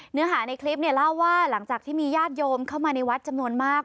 เนื้อหาในคลิปเนี่ยเล่าว่าหลังจากที่มีญาติโยมเข้ามาในวัดจำนวนมาก